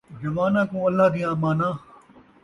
جواناں کوں اللہ دیاں اماناں